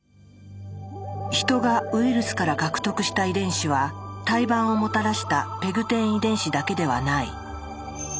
ヒトがウイルスから獲得した遺伝子は胎盤をもたらしたＰＥＧ１０遺伝子だけではない。